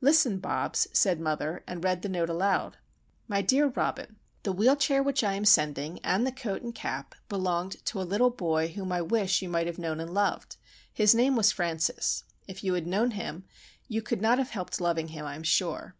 "Listen, Bobs," said mother, and read the note aloud: "My Dear Robin:— "The wheel chair which I am sending, and the coat and cap, belonged to a little boy whom I wish you might have known and loved. His name was Francis. If you had known him, you could not have helped loving him, I am sure.